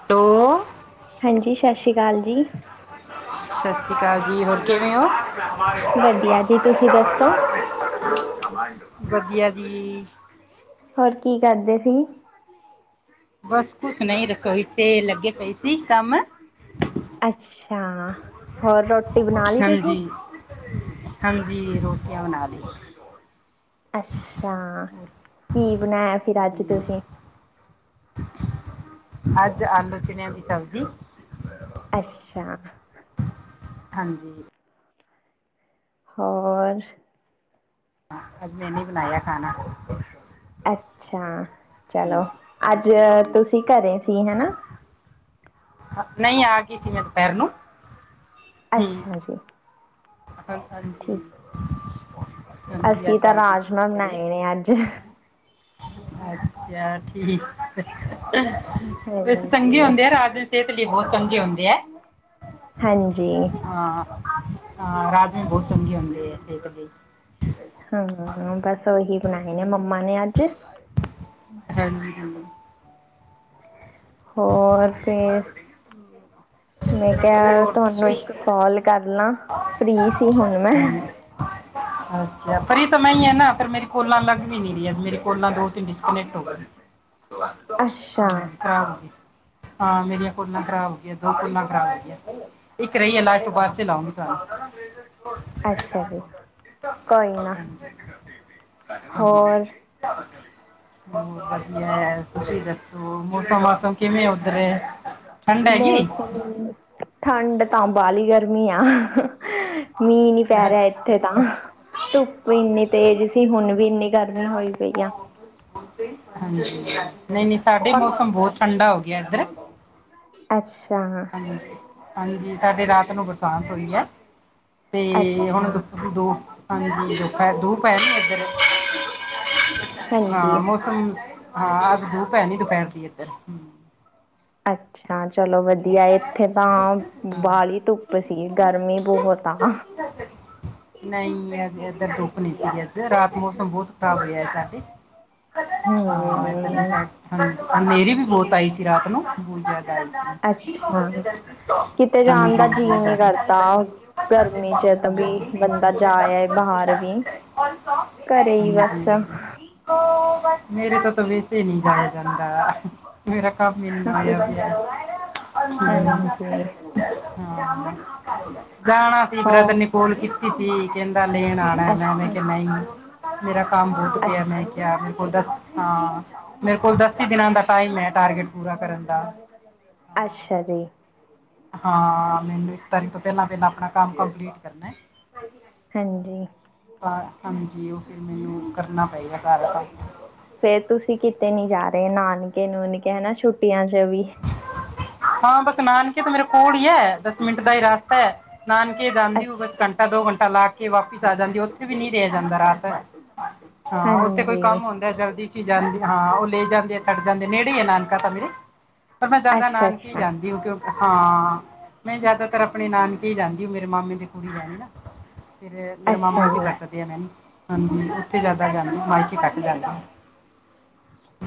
Hello ਹਾਂਜੀ ਸਤਿ ਸ੍ਰੀ ਅਕਾਲ ਜੀ ਸਤਿ ਸ਼੍ਰੀ ਅਕਾਲ ਜੀ ਹੋਰ ਕਿਵੇਂ ਹੋ ਵਧੀਆ ਜੀ ਤੁਸੀਂ ਰ ਦੱਸੋ ਲਾਲ [unintelligible] ਵਧੀਆ ਜੀ ਹੋਰ ਕੀ ਕਰਦੇ ਸੀ। ਬਸ ਕੁਛ ਨਹੀਂ ਰਸੋਈ ਤੇ ਲੱਗੇ ਪਈ ਸੀ ਕੰਮ ਅੱਛਾ ਹੋਰ ਰੋਟੀ ਬਣਾ ਲਈ ਤੁਸੀਂ ਹਾਂਜੀ ਹਾਂਜੀ ਰੋਟੀਆਂ ਬਣਾ ਲਿਆ ਅੱਛਾ ਕੀ ਬਣਾਇਆ। ਫਿਰ ਅੱਜ ਹਾਂਜੀ ਤੁਸੀਂ ਅੱਜ ਆਲੂ ਚਿਣਿਆਂ ਦੀ ਸਬਜ਼ੀ ਅੱਛਾ। ਹਾਂਜੀ। ਹੋਰ ਹਾਂ ਅੱਜ ਮੈਂ ਨਹੀਂ ਬਣਾਇਆ ਖਾਣਾ ਅੱਛਾ। ਚਲੋ ਹਾਂਜੀ ਅੱਜ ਹਾਂਜੀ ਹਾਂਜੀ ਤੁਸੀਂ ਘਰੇ ਸੀ ਹਨਾ ਨਹੀਂ ਆ ਗਈ ਸੀ ਮੈਂ ਦੁਪਹਿਰ ਨੂੰ ਹੂੰ ਅੱਛਾ ਜੀ। ਠੀਕ ਹਾਂਜੀ। ਹਾਂਜੀ ਅਸੀਂ ਅੱਜ ਤਾਂ ਆ ਗਈ ਸੀ ਰਾਜਮਾ ਅਸੀਂ ਘਰੇ ਬਣਾਏ ਨੇ ਅੱਜ ਅੱਛਾ। ਠੀਕ ਵੈਸੇ ਚੰਗੇ ਹਾਂਜੀ ਹੁੰਦੇ ਆ ਰਾਜ ਦੀ ਸਿਹਤ ਲਈ ਬਹੁਤ ਚੰਗੇ ਹੁੰਦੇ ਆ ਹਾਂਜੀ ਹਾਂ। [unintelligible] ਹਾਂ ਰਾਜਮਾ ਬਹੁਤ ਚੰਗੇ ਹੁੰਦੇ ਹੈ ਸੇਤ ਲਈ ਹੂੰ ਬਸ ਓਹੀ ਬਣਾਏ ਨੇ ਮੰਮਾ ਨੇ ਅੱਜ ਹਾਂਜੀ ਹਾਂ। ਹੋਰ ਫੇਰ, ਮੈਂ ਕਿਹਾ ਤੁਹਾਨੂੰ ਇੱਕ ਕਾਲ ਕਰ ਲਾਂ ਫ੍ਰਰੀ ਸੀ ਹੁਣ ਮੈਂ ਅੱਛਾ ਪਰ ਇਹ ਤਾਂ ਮੈਂ ਹੀ ਹੈ ਨਾ ਪਰ ਮੇਰੀ ਕੋਲਾਂ ਅਲੱਗ ਵੀ ਨੀ ਰਹੀਜ ਮੇਰੇ ਕੋਲਾ ਦੋ ਤਿੰਨ ਡਿਸਕਨੈਕਟ ਹੋ। ਅੱਛਾ [unintelligible] ਹਾਂ ਮੇਰੀਆਂ ਕੋਲਾਂ ਖਰਾਬ ਹੋ ਗਈਆਂ ਦੋ ਕੁਲਾਂ ਖਰਾਬ ਹੋ ਗਈਆਂ ਇੱਕ ਰਹੀ ਆ ਲਾਸ ਤੋਂ ਬਾਅਦ ਚ ਲਉਂਗੀ ਤੁਹਾਨੂੰ ਅੱਛਾ ਜੀ, ਕੋਈ ਨਾ [unintelligible] ਹੋਰ ਵਧੀਆ ਹੈ। ਤੁਸੀਂ ਦੱਸੋ। ਮੌਸਮ ਵਾਸਮ ਕਿਵੇਂ ਹੋ ਤੇ ਮੌਸਮ ਠੰਡ ਤਾਂ ਬਾਲੀ ਆ ਗਰਮੀ ਆਂ ਮੀਂਹ ਨੀ ਪੈ ਰਿਹਾ ਅੱਛਾ ਇੱਥੇ ਤਾਂ ਧੁੱਪ ਇੰਨੀ ਤੇਜ਼ ਸੀ ਹੁਣ ਵੀ ਇੰਨੀ ਗਰਮੀ ਹੋਈ ਪਈ ਆ ਹਾਂਜੀ ਨਹੀਂ ਨਹੀਂ ਸਾਡੇ ਪ ਮੌਸਮ ਬਹੁਤ ਠੰਡਾ ਹੋ ਗਿਆ ਔਦਰ [inaudible] ਅੱਛਾ। ਹਾਂਜੀ। ਹਾਂਜੀ। ਸਾਡੇ ਰਾਤ ਨੂੰ ਬਰਸਾਤ ਹੋਈ ਆ ਤੇ ਅੱਛਾ ਹੁਣ ਦੁੱਖ ਦੋ ਹਾਂਜੀ ਦੁਪਿਹਰ ਦੋ ਪੈਰ ਇੱਧਰ। ਹਾਂਜੀ ਹਾਂ ਮੌਸਮ। ਹਾਂ ਅੱਜ ਧੁੱਪ ਹੈ ਨਹੀਂ ਦੁਪਹਿਰ ਦੀ ਇੱਧਰ। ਅੱਛਾ। ਹਾਂ ਚਲੋ ਵਧੀਆ ਇੱਥੇ ਤਾਂ ਹਾਂ ਬਾਲੀ ਧੁੱਪ। ਉੱਪਰ ਸੀਗੇ। ਗਰਮੀ ਬਹੁਤ ਆ ਹਾ। ਨਹੀਂ ਅਜ ਇਧਰ ਧੁੱਪ ਨਹੀਂ ਸੀ ਅੱਜ ਰਾਤ ਮੌਸਮ ਬਹੁਤ ਖ਼ਰਾਬ ਹੋਇਆ ਹੈ ਸਾਡੇ। ਹਾਂ ਇੱਧਰ ਲੀ ਹਮ ਸਾਈਡ ਹਾਂਜੀ। ਹਨੇਰੀ ਵੀ ਬਹੁਤ ਆਈ ਸੀ ਰਾਤ ਨੂੰ ਬਹੁਤ ਜ਼ਿਆਦਾ ਹੈ। ਆਈ ਸੀ ਅੱਛਾ ਹਾਂਜੀ। ਕਿਤੇ ਜਾਣ ਦਾ ਜੀਅ ਨਹੀਂ ਕਰਦਾ ਗਰਮੀ ਚ ਤਾਂ ਵੀ ਬੰਦਾ ਜਾਏ ਬਾਹਰ ਵੀ ਘਰੇ ਹੀ ਬਸ? ਮੇਰੇ ਤੋਂ ਤਾਂ ਵੈਸੇ ਨਹੀਂ ਜਾਇਆ ਜਾਂਦਾ ਹੈ। ਮੇਰਾ ਕੰਮ ਇਨਾ ਹੋਇਆ ਪਿਆ ਹਾਂਜੀ। ਜਾਣਦਾ ਹਾਂਜੀ ਕੀ ਚਾਹੀਦਾ ਹੈ? ਗਾਣਾ ਸੀ ਹੋ ਬ੍ਰਦਰ ਨੇ ਕੋਲ ਕੀਤੀ? ਤੁਸੀ ਕਹਿੰਦੇ? ਸੱਦਾ ਦੇਣ ਆਉਣਾ ਮੈਂ ਅੱਛਾ ਕਿਹਾ ਨਹੀਂ। ਮੇਰਾ। ਕੰਮ ਬਹੁਤ ਅੱਛ ਪਿਆ ਮੈਂ ਕਿਹਾ? ਆਉਦਾ ਸੀ ਹਾਂ ਮੇਰੇ ਕੋਲ ਦਸ ਦਿਨਾਂ ਦਾ ਟਾਈਮ ਹੈ ਟਾਰਗੇਟ ਪੂਰਾ ਕਰਨ ਦਾ? ਹਾਂ ਅੱਛਾ ਜੀ। ਹਾਂ ਮੈਨੂੰ ਇੱਕ ਤਾਰੀਖ ਤੋਂ ਪਹਿਲਾਂ ਪਹਿਲਾਂ ਆਪਣਾ ਕੰਮ ਕੰਪਲੀਟ ਕਰਨਾ ਹੈ? ਹਾਂਜੀ। ਹਾਂਜੀ ਉਹ ਫਿਰ ਮੈਨੂੰ ਕਰਨਾ ਪਏਗਾ। ਸਾਰਾ ਕੰਮ ਫੇਰ ਤੁਸੀਂ ਕਿਤੇ ਨੀ ਜਾ ਰਹੇ ਨਾਲ? ਨਾਨਕੇ ਨੁਨਕੇ ਛੁੱਟੀਆਂ ਚ ਵੀ। ਹਾਂ ਬਸ ਨਾਨਕੇ ਤਾਂ ਮੇਰੇ ਕੋਲ ਹੀ ਹੈ ਦਸ ਮਿੰਟ ਦਾ ਹੀ ਰਾ ਸਤਾ ਹੈ? ਨਾਨਕੇ ਜਾਂਦੀ ਅੱਛ ਹੋ ਬੱਸ ਘੰਟਾ ਦੋ ਘੰਟਾ। ਘੰਟਾ ਲਾ ਕੇ ਵਾਪਿਸ ਆ ਜਾਂਦੀ ਹੈ, ਉੱਥੇ ਵੀ ਨਹੀਂ ਰਿਹਾ ਜਾਂਦਾ ਰਾਤ। ਹਾਂ ਉੱਥੇ ਕੋਈ ਹਾਂਜੀ ਕੰਮ ਹੁੰਦਾ ਜਲਦੀ ਸੀ, ਜਾਂਦੀ ਹਾਂ ਉਹ ਲੈ ਜਾਂਦੇ ਆ। ਛੱਡ ਜਾਂਦੇ ਨੇ, ਨੇੜੇ ਹੈ ਨਾਨਕਾ ਤਾਂ ਮੇਰੇ। ਪਰ ਮੈਂ ਜ਼ਿਆਦਾ ਅੱਛਾ ਨਾਨਕੇ ਅੱਛਾ ਜਾਦੀ ਹੂੰ, ਕਿਉਂਕਿ? ਹਾਂ, ਮੈਂ ਜਿਆਦਾਤਰ ਆਪਣੇ ਨਾਨਕੇ ਜਾਂਦੀ ਹੂੰ, ਮੇਰੇ ਮਾਮੇ ਦੀ ਕੁੜੀ ਆ ਰਹਿੰਦੀ ਹੈ ਨਾ। ਫਿਰ ਮੇਰੇ ਮਾਮਾ ਜੀ ਵਰਤਦੇ ਆ ਮੈਨੂੰ। ਹਾਂਜੀ, ਉੱਥੇ ਜਿਆਦਾ ਜਾਂਦੀ, ਮਾਈਕੇ ਘੱਟ ਈ ਜਾਂਦੀ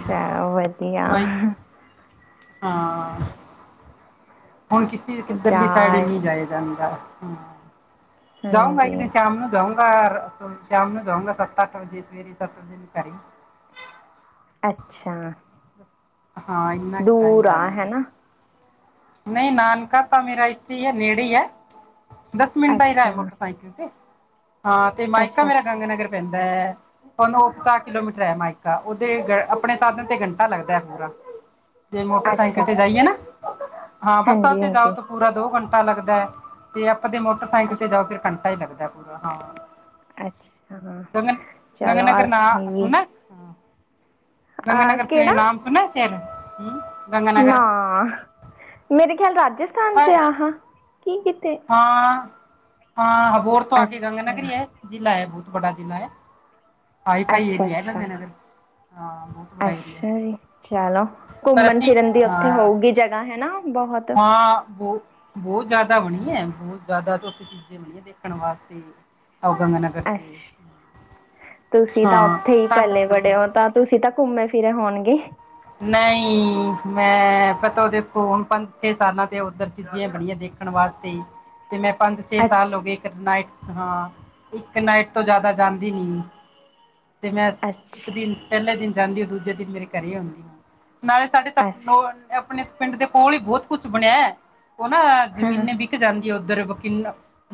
ਚੱਲੋ ਵਧੀਆ। ਮਾਈ ਹਾਂ। ਹੁਣ ਕਿਸੀ ਵੀ ਜਾ ਕਿਧਰਲੀ ਸਾਈਡ, ਆਏ, ਨਹੀਂ ਜਾਇਆ ਜਾਂਦਾ। ਹਮ ਜਾਊਂ, ਮੈ ਹਾਂਜੀ ਇਕ ਦਿਨ, ਸ਼ਾਮ ਨੂੰ ਜਾਊੰ ਗਾ ਸ਼ਾਮ ਨੂੰ ਜਾਊਂਗਾ ਸੱਤ ਅੱਠ ਵਜੇ ਸਵੇਰੇ ਸੱਤ ਵਜੇ ਨੂੰ ਕਰੀ। ਅੱਛਾ। ਹਾਂ, ਇੰਨਾ ਕੁ ਟਾਈਮ ਦੂਰ ਆ ਜਾਣਾ ਹਨਾ ਬਸ। ਨਹੀਂ ਨਾਨਕਾ, ਤਾਂ ਮੇਰਾ ਇੱਥੇ ਈ ਹੈ ਨੇੜੇ ਹੈ। ਦਸ ਮਿੰਟਾਂ ਲੈ ਜਾਂਦੇ ਅੱਛਾ, ਮੋਟਰਸਾਇਕਲ ਤੇ ਹਾਂ ਤੇ ਮਾਇਕਾ, ਅੱਛਾ, ਮੇਰਾ ਅੱਛਾ, ਗੰਗਾ ਨਗਰ ਪੈਂਦਾ ਹੈ,,, ਉਹਨੂੰ ਉਹ ਸਾਠ ਕਿਲੋਮੀਟਰ ਹੈ ਮਾਇਕਾ ਉਹਦੇ ਆਪਣੇ ਸਾਧਨ ਤੇ ਘੰਟਾ ਲੱਗਦਾ ਹੈ ਪੂਰਾ ਜੇ ਅੱਛਾ, ਮੋਟਰਸਾਈਕਲ ਤੇ ਅੱਛਾ ਜਾਈਏ ਨਾ ਹਾਂ ਬੱਸਾਂ ਹਾਂਜੀ, ਤੇ ਜਾਓ ਹਾਂਜੀ ਤ ਪੁੂਰਾ ਦੋ ਘੰਟਾ ਲੱਗਦਾ ਹੈ ਤੇ ਆਪਦੇ ਮੋਟਰਸਾਈਕਲ ਤੇ ਅੱਛਾ, ਜਾਓ, ਫਿਰ ਘੰਟਾ ਹੀ ਲੱਗਦਾ ਪੂਰਾ ਹਾਂ, ਅੱਛਾ ਗੰਗਾ ਗੰਗਾ ਚਲੋ ਨਗਰ ਅਸੀਂ ਨਾਂ ਵੀ ਸੁਣਾ,, ਹਾਂ। ਗੰਗ ਅ ਨਗਰ ਕਿਹੜਾ ਨਾਮ ਸੁਣਾ ਸੇਰ ਹਮ ਨਾ ਗੰਗਨਗਰ ਮੇਰੇ ਖਿਆਲ ਰਾਜਸਥਾਨ ਚ ਆ ਹਾਂ ਹਾਂ ਹਾਂ ਬੋਰ ਤੋਂ ਆ ਕੇ ਗੰਗ ਨਗਰੀ ਅੱਛਾ, ਹੀ ਹੈ, ਜ਼ਿਲ੍ਹਾ ਹੈ ਬੜਾ ਜ਼ਿਲ੍ਹਾ ਹੈ। ਅੱਛਾ ਅੱਛਾ ਅੱਛਾ ਜੀ ਚਲੋ ਘੁੰਮਣ ਫਿਰਨ ਦੀ ਉੱਥੇ ਹੋਊਗੀ ਜਗ੍ਹਾ ਹੇਨਾ। ਹਾਂ ਬਹੁ ਬਹੁਤ ਜ਼ਿਆਦਾ ਬਣੀ ਬਹੁਤ ਜ਼ਿਆਦਾ ਚ ਉੱਥੇ ਚੀਜ਼ਾਂ ਬਣੀੀਆਂ ਦੇਖਣ ਵਾਸਤੇ ਆਓ ਗੰਗਾਨਗਰ ਅੱ 'ਚ ਤੁਸੀਂ ਤਾਂ ਉੱਥੇ ਹਾਂ ਹੀ ਸਾਡਾ ਪਲੇ ਬੜੇ ਹੋ ਤਾਂ ਤੁਸੀਂ ਤਾਂ ਘੁੰਮੇ ਫਿਰ ਹੋਣਗੇ ਨਹੀਂ ਮੈਂ ਪਤਾ ਦੇਖੋ ਹੁਣ ਪੰਜ ਛੇ ਸਾਲਾਂ ਤੇ ਉੱਧਰ ਚੀਜ਼ਾਂ ਬਣੀਆਂ ਦੇਖਣ ਵਾਸਤੇ ਅਤੇ ਮੈਂ ਪੰਜ ਛੇ ਅੱਛਾ, ਸਾਲ ਹੋ ਗਏ ਇੱਕ ਨਾਈਟ ਹਾਂ ਇੱਕ ਨਾਈਟ ਤੋਂ ਜ਼ਿਆਦਾ ਜਾਂਦੀ ਨੀ ਅਤੇ ਮੈਂ ਇੱਕ ਅੱਛਾ, ਦਿਨ ਪਹਿਲੇ ਦਿਨ ਜਾਂਦੀ ਉਹ ਦੂਜੇ ਦਿਨ ਮਰੇ ਘਰੇ ਹੀਉੁੰਦੀ ਨਾਲੇ ਸਾਡੇ ਤ ਅੱਛਾ ਆਪਣੇ ਪਿੰਡ ਦੇ ਕੋਲ ਹੀ ਬਹੁਤ ਕੁੱਛ ਬਣਿਆ ਹੈ ਉਹ ਨਾ ਹਾਂ, ਹਾਂ, ਜ਼ਮੀਨਾ ਵਿੱਕ ਜਾਂਦੀ ਉਦੋਂ ਉੱਧਰ ਵੱਕੀ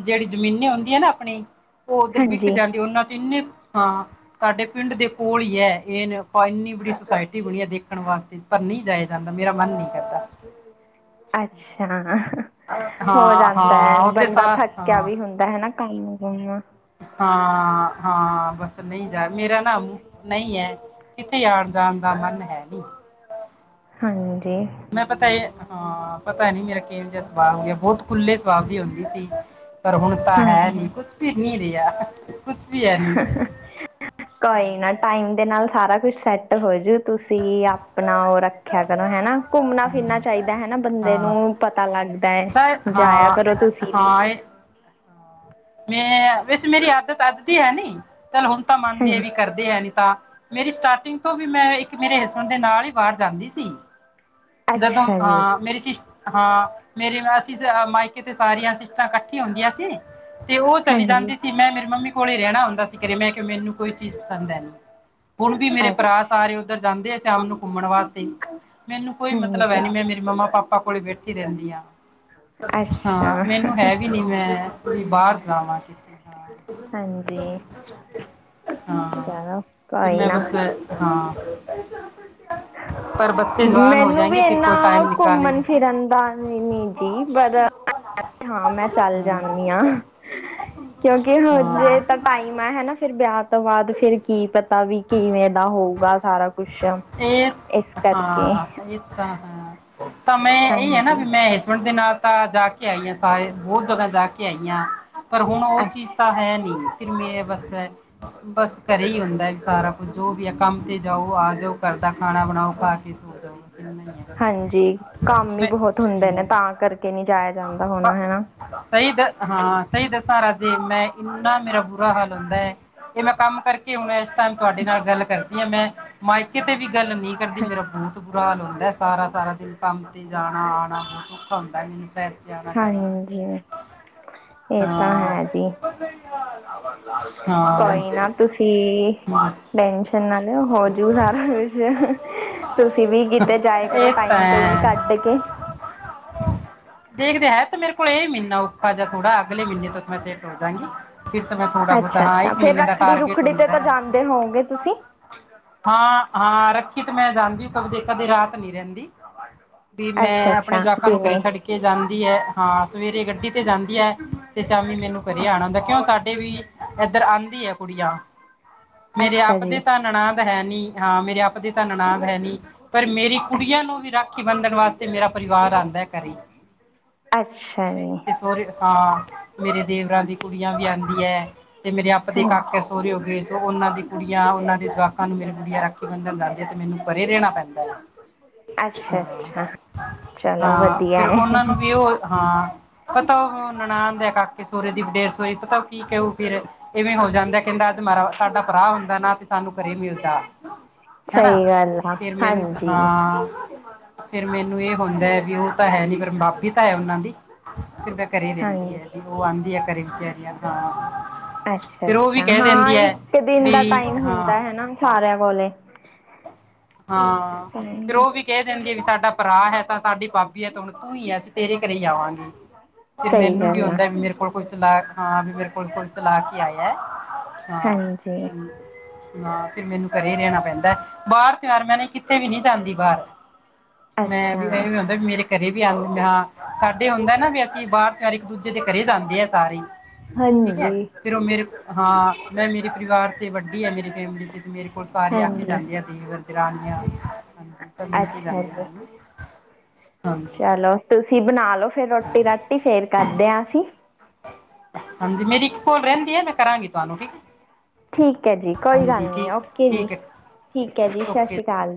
ਜਿਹੜੀ ਜ਼ਮੀਨੀ ਹੁੰਦੀਆਂ ਨਾ ਆਪਣੀ ਉਹ ਉੱਧਰ ਵਿਕ ਹਾਂਜੀ ਜਾਂਦੀ ਉਹਨਾਂ ਚ ਇੰਨੇ ਹਾਂ ਸਾਡੇ ਪਿੰਡ ਦੇ ਕੋਲ ਹੀ ਹੈ ਇਹਨ ਇੰਨੀ ਬੜੀ ਸੁਸਾਇੱਟੀ ਬਣੀ ਹੈ ਦੇਖ ਦੇਖਣ ਵਾਸਤੇ ਪਰ ਨਹੀਂ ਜਾਇਆ ਜਾਂਦਾ ਮੇਰਾ ਮਨ ਨਹੀਂ ਕਰਦਾ ਅੱਛਾ ਹੋ ਹਾਂ ਜਾਂਦਾ ਹਾਂ ਉਹਦੇ ਸ ਹਾਂ ਕਈ ਹੋ ਆ [unintelligible] ਹਾਂ ਹਾਂ ਬਸ ਨਹੀਂ ਜਾ ਮੇਰਾ ਨਾ ਨਹੀਂ ਹੈ ਕਿਥੇ ਆਉਣ ਜਾਣ ਦਾ ਮਨ ਹੈ ਨੀ ਹਾਂਜੀ ਮੈਂ ਪੱਤਾ ਹੀ ਹਾਂ ਪਤਾ ਨੀ ਮੇਰਾ ਕਿ ਜਿਹਾ ਸੁਭਾਅ ਹੋ ਗਿਆ ਬਹੁੱਤ ਖੁੱਲੇ ਸੁਭਾਅ ਦੀ ਹੁੰਦੀ ਸੀ ਪਰ ਹੁਣ ਤਾਂ ਹਾਂ ਹੈ ਨਹੀਂ ਕੁਛ ਵੀ ਨਹੀਂ ਰਹੇ [unintelligible] ਕੋਈ ਨਾ ਟਾਈਮ ਦੇ ਨਾਲ ਸਾਰਾ ਕੁਛ ਸੈੱਟ ਹੋਜੂ ਤੁਸੀਂ ਆਪਣਾ ਉਹ ਰੱਖਿਆ ਕਰੋ ਹਨਾ ਘੁੰਮਣਾ ਫਿਰਨਾ ਹਾਂ ਚਾਹੀਦਾ ਹਨਾ ਬੰਦੇ ਹਾਂ ਨੂੰ ਪਤਾ ਲੱਗਦਾ ਹੈ ਸਰ ਜਾਇਆ ਕਰੋ ਹਾਂ ਤੁਸੀਂ ਵੀ ਹਾਂ ਇਹ ਮੈਂ ਵੈਸੇ ਮੇਰੀ ਆਦੱਤ ਅੱਜ ਦੀ ਹੈ ਨਹੀਂ ਚੱਲ ਹੁਣ ਤਾਂ ਮੰਨਦੇ ਆ ਵੀ ਹਾਂਜੀ ਕਰਦੇ ਹੈ ਨੀ ਮੇਰੀ ਸਟਾਰਟਿੰਗ ਤੋਂ ਵੀ ਮੈਂ ਇੱਕ ਮੇਰੇ ਹਸਣ ਦੇ ਨਾਲ ਹੀ ਬਾਹਰ ਜਾਂਦੀ ਸੀ ਜਦੋਂ ਅੱਛਾ ਜੀ ਅਹ ਮੇਰੀ ਸ਼ ਹਾਂ ਮੇਰੇ ਅਸੀਂ ਮਾਇਕੇ ਤੇ ਸਾਰੀਆਂ ਸਿਸਟਾਂ ਇਕੱਠੀ ਹੁੰਦੀਆ ਸੀ। ਤੇ ਉਹ ਚਲੀ ਹਾਂਜੀ ਜਾਂਦੀ ਸੀ ਮੈਂ ਮੇਰੀ ਮੰਮੀ ਕੋਲੇ ਰਹਿਣਾ ਹੁੰਦਾ ਸੀ ਘਰੇ ਮੈਂ ਕਿ ਮੈਨੂੰ ਕੋਈ ਚੀਜ਼ ਪਸੰਦ ਹੈ। ਹੁਣ ਵੀ ਮੇਰੇ ਭਰਾ ਅੱਛਾ ਸਾਰੇ ਉੱਧਰ ਜਾਂਦੇ ਆ। ਸ਼ਾਮ ਨੂੰ ਘੁੰਮਣ ਵਾਸਤੇ। ਮੈਨੂੰ ਕੋਈ ਮਤਲਬ ਹੈ ਹਾਂਜੀ ਨੀ ਮੈਂ ਮੇਰੇ ਮੰਮਾ ਪਾਪਾ ਪਾਪਾ ਕੋਲੇ ਬੈਠੀ ਰਹਿੰਦੀ ਆ। ਅੱਛਾ ਹਾਂ, ਮੈਨੂੰ ਹੈ ਵੀ ਨੀ ਮੈਂ ਬਾਹਰ ਜਾਵਾਂ, ਹਾਂਜੀ ਹਾਂ ਚਲੋ ਤੇ ਕੋਈ ਮੈਂ ਨਾ ਬਸ ਹਾਂ। ਪਰ ਬੱਚੇ ਜਵਾਨ ਹੋ ਮੈਨੂੰ ਵੀ ਜਾਏਂਗੇ ਫਿਰ ਇਨਾ ਕੋਈ ਟਾਈਮ ਘੁੰਮਣ- ਨਿਕਾਲੇਂਗੇ ਫਿਰਨ ਦਾ ਨੀ ਜੀ ਬ ਹਾਂ ਮੈਂ ਚੱਲ ਜਾਂਦੀ ਹਾਂ। ਕਿਉਂਕਿ ਹਜੇ ਤਾਂ ਟਾਈਮ ਆ ਹਨਾ ਫਿਰ ਵਿਆਹ ਤੋਂ ਬਾਅਦ ਫਿਰ ਕੀ ਪਤਾ ਵੀ ਕਿਵੇਂ ਦਾ ਹੋਊਗਾ ਸਾਰਾ ਕੁਛ ਇਹ ਇਸ ਕਰਕੇ ਹਾਂ, ਇਹ ਤਾਂ ਹਾਂ। ਤਾਂ ਮੈਂ ਇਹੀ ਹੈ ਨਾ ਹਾਂਜੀ ਵੀ ਮੈਂ ਹਸਬੈਂਡ ਦੇ ਨਾਲ ਤਾਂ ਜਾ ਕੇ ਆਈਆਂ ਸਾਰੇ, ਬਹੁਤ ਜਗ੍ਹਾਂ ਜਾ ਕੇ ਆਈਆਂ। ਪਰ ਹੁਣ ਉਹ ਅੱਛ ਚੀਜ਼ ਤਾਂ ਹੈ ਨੀ ਕਿ ਮੇਰੇ ਬਸ ਐ। ਬਸ ਘਰ ਹੀ ਹੁੰਦਾ ਸਾਰਾ ਕੁਝ ਜੋ ਵੀ ਆ ਕੰਮ ਤੇ ਜਾਓ ਆ ਜਾਓ ਘਰਦਾ ਖਾਣਾ ਬਣਾਓ, ਖਾ ਕੇ ਸੋ ਜਾਓ। ਇੰਨਾ ਹੀ ਹੈ ਹਾਂਜੀ, ਕੰਮ ਵੀ ਮੈਂ- ਬਹੁਤ ਹੁੰਦੇ ਨੇ, ਹਮ। ਤਾਂ ਕਰਕੇ ਨਹੀਂ ਜਾਇਆ ਜਾਂਦਾ ਹੋਣਾ ਬ- ਹਨਾ ਸਾਰਾ ਦਿਨ ਮੈਂ, ਇੰਨਾ ਮੇਰਾ ਬੁਰਾ ਹਾਲ ਹੁੰਦਾ ਐ। ਇਹ ਮੈਂ ਕੰਮ ਕਰਕੇ ਹੋਣਾ ਇਸ ਟਾਇਮ ਤੁਹਾਡੇ ਨਾਲ ਗੱਲ ਕਰ ਨਾ ਮੈਂ ਮਾਇਕੇ ਤੇ ਵੀ ਗੱਲ ਨੀ ਕਰਦੀ, ਹਾਂ ਮੇਰਾ ਬਹੁਤ ਬੁਰਾ ਹਾਲ ਹੋ ਸਾਰਾ-ਸਾਰਾ ਦਿਨ ਕੰਮ ਤੇ ਜਾਣਾ ਆਉਣਾ ਬਹੁਤ ਔਖਾ ਹੁੰਦਾ। 'ਚ ਆਣਾ ਜਾਣਾ ਹਾਂਜੀ, ਇਹ ਤਾਂ ਹਾਂ ਹੈ ਜੀ ਹਾਂ ਹਮ, ਕੋਈ ਨਾ ਤੁਸੀਂ ਟੈਨਸ਼ਨ ਨਾ ਲਿਓ ਹੋਜੂ ਸਾਰਾ ਕੁਛ ਤੁਸੀਂ ਵੀ ਕਿਤੇ ਜਾਇ ਕਰੋ ਇਹ ਤਾਂ ਟਾਈਮ ਟਮ ਕੱਢ ਹੈ। ਕੇ। ਦੇਖਦੇ ਹੈ, ਤੇ ਮੇਰੇ ਕੋਲ ਇਹ ਮਹੀਨਾ ਔਖਾ ਜਹਾ ਥੋੜਾ ਅਗਲੇ ਮਹੀਨੇ ਤੋਂ ਮੈਂ ਸੇਰ ਤੁਰ ਦਾਂਗੀ ਫਿਰ ਤਾਂ ਮੈਂ ਥੋੜਾ ਬਹੁਤ ਅੱਛਾ ਆਈ ਅੱਛਾ ਫਿਰ ਮਹੀਨੇ ਦਾ ਰੱਖੜੀ ਟਾਰਗੇਟ ਰੁਖੜੀ ਤੇ ਹੁੰਦਾ, ਤਾਂ ਆ ਜਾਂਦੇ ਹੋਵੋਗੇ ਤੁਸੀਂ ਹਾਂ-ਹਾਂ ਰੱਖ ਕਿਤੇ ਮੈਂ ਜਾਂਦੀ ਕਦੇ ਰਾਤ ਨੀ ਰਹਿੰਦੀ ਵੀ ਮੈਂ ਅੱਛਾ ਆਪਣੇ ਅੱਛਾ ਜਵਾਕਾਂ ਨੂੰ ਘਰੇ ਦਿਨੇ ਛੱਡ ਕੇ ਜਾਂਦੀ ਹੈ। ਹਾਂ ਸਵੇਰੇ ਗੱਡੀ ਤੇ ਜਾਂਦੀ ਹੈ ਤੇ ਸ਼ਾਮੀ ਮੈਨੂੰ ਅ ਘਰੇ ਆਣਾ ਹੁੰਦਾ ਕਿਉਂ ਵੀ ਇੱਧਰ ਆਂ ਕੁੜੀਆ ਮੇਰੇ ਅੱਛਾ ਆਪ ਦੇ ਜੀ ਨਾਨ ਹੈ ਨੀ ਹਾਂ ਮੇਰੇ ਆਪ ਦੇ ਨਨਾਣ ਹੈ ਨ ਪਰ ਮੇਰੀ ਕੁੜੀਆਂ ਅੱਛਾ ਨੂੰ ਵੀ ਰੱਖ ਬੰਧਣ ਵਾਸਤੇ ਮੇਰਾ ਪਰਿਵਾਰ ਆਉਂਦਾ ਹੈ ਘਰੇ ਅੱਛਾ ਮੇਰੇ ਜੀ ਇੱਥੇ ਸੋਹਰੇ ਹਾਂ ਮੇਰੇ ਦੇਵਰਾਂ ਦੀ ਕੁੜੀਆਂ ਵੀ ਆਉਂਦੀ ਹੈ ਤੇ ਮੇ ਕਰਕੇ ਹਾਂਜੀ ਸੋਰੇ ਹੋ ਗਏ ਉਹਨਾਂ ਦੀ ਕੁੜੀਆਂ ਉਹਨਾਂ ਦੇ ਜਵਾਕਾਂ ਨੂੰ ਮੇਰੇ ਗੁੜੀਆਂ ਰਾਖੀ ਬੰਧਣ ਜਾਂਦੀ ਤੇ ਮੈਨੂੰ ਪਰੇ ਰਹਿਣਾ ਪੈਂਦਾ ਹੈ ਅੱਛਾ ਅੱਛਾ ਚਲੋ ਹਾਂ ਵਧੀਆ ਫਿਰ ਉਹਨਾਂ ਹੈ ਨੂੰ ਵੀ ਉਹ ਹਾਂ ਪਤਾ ਉਹ ਹੁਣ ਨਨਾਣ ਕਾਕੇ ਸਹੁਰੇ ਦੀ ਡੈਥ ਹੋਈ ਪਤਾ ਉਹ ਕੀ ਕਹੂ ਫਿਰ ਇਵੇਂ ਹੋ ਜਾਂਦਾ ਕਹਿੰਦਾ ਅੱਜ ਮਾਰਾ ਸਾਡਾ ਭਰਾ ਹੁੰਦਾ ਨਾ ਸਾਨੂੰ ਘਰੇ ਮਿਲਦਾ, ਹਨਾ ਸਹੀ ਗੱਲ ਆ ਫਿਰ ਮੈਨ ਹਾਂਜੀ ਹਾਂ ਫੇਰ ਮੈਨੂੰ ਇਹ ਹੁੰਦਾ ਹੈ ਵੀ ਉਹ ਤਾਂ ਹੈ ਨੀ ਪਰ ਮਾਪੀ ਤਾਂ ਹੈ ਉਹਨਾਂ ਦੀ ਕਿਰਪਾ ਘਰੇ ਰਹਿੰਦੀ ਹਾਂਜੀ ਹੈ ਵੀ ਉਹ ਆਉਂਦੀ ਹੈ ਘਰੇ ਵਿੱਚ ਰਹਿੰਦੀ ਹਾਂ ਤਾ ਅੱਛਾ -ਅੱਛਾ ਹਾਂ ਇੱਕ ਦਿਨ ਦਾ ਵੀ ਟਾਈਮ ਹਾਂ ਹੁੰਦਾ ਹੈ ਸਾਰਿਆਂ ਕੋਲੇ ਹਾਂ ਫਿਰ ਉਹ ਵੀ ਕਹਿ ਦਿੰਦੀ ਹੈ ਵੀ ਸਾਡਾ ਭਰਾ ਹੈ ਤਾਂ ਸਾਡੀ ਭਾਬੀ ਹੈ ਤਾਂ ਹੁਣ ਤੂੰ ਹੀ ਅਸੀਂ ਤੇਰੇ ਘਰੇ ਹੀ ਆਵਾਂਗੇ ਫਿਰ ਸਹੀ ਮੈਨੂੰ ਵੀ ਗੱਲ ਆ ਆਉਂਦਾ ਵੀ ਮੇਰੇ ਕੋਲ ਕੋਈ ਚਲਾ ਹਾਂ ਮੇਰੇ ਕੋਲ -ਕੋਈ ਚਲਾ ਕੇ ਕੀ ਆਇ ਹੈ ਹਾਂ ਹਾਂਜੀ, ਹਾਂ ਫਿਰ ਮੈਨੂੰ ਘਰੇ ਹੀ ਰਹਿਣਾ ਪੈਂਦਾ ਬਾਹਰ ਤਿਆਰ ਮੈਂ ਕਿੱਥੇ ਵੀ ਨਹੀਂ ਜਾਂਦੀ ਬਾਹਰ ਮੈਂ ਅੱਛਾ। ਵੀ ਇਹ ਵੀ ਹੁੰਦਾ ਮੇਰੇ ਘਰੇ ਵੀ ਆਉਂ ਹਾਂ ਸਾਡੇ ਹੁੰਦਾ ਨਾ ਵੀ ਅਸੀਂ ਬਾਹਰ ਤਰ ਇੱਕ ਦੂਜੇ ਦੇ ਘਰੇ ਜਾਂਦੇ ਆ ਸਾਰੇ ਠੀਕ ਹੈ ਹਾਂਜੀ। ਫਿਰ ਉਹ ਮੇਰੇ ਹਾਂ ਮੈਂ ਮੇਰੇ ਪਰਿਵਾਰ ਤੇ ਵੱਡੀ ਹੈ ਮੇਰੀ ਫੈਮਲੀ ਚ ਮੇਰੇ ਕੋਲ ਸਾਰੇ ਆ ਕੇ ਹਾਂਜੀ, ਜਾਂਦੇ ਆ ਦੇ ਦੌਰਾਨ [unintelligible] ਹਾਂਜੀ ਮਿਲ ਕੇ ਅੱਛਾ ਜਾਂਦੇ ਜੀ। ਹੈ। ਚਲੋ ਤੁਸੀਂ ਬਣਾ ਲੋੋ ਫੇਰ ਰੋਟੀ ਰਾਟੀ ਫੇਰ ਕਰਦੇ ਹਾ ਅਸੀਂ ਹਾਂਜੀ ਮੇਰੀ ਕੋਲ ਰਹਿੰਦੀ ਹੈ ਮੈਂ ਕਰਾਂਗੀ ਤੁਹਾਨੂੰ ਠੀਕ ਹੈ ਠੀਕ ਹੈ ਜੀ ਕੋਈ ਹਾਂਜੀ ਗੱਲ ਨੀ ਠੀਕ ਓਕੇ ਜੀ ਠੀਕ ਹੈ ਠੀਕ ਹੈ ਜੀ ਸਤਿ ਓਕੇ ਸ਼੍ਰੀ ਅਕਾਲ।